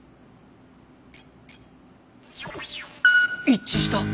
一致した。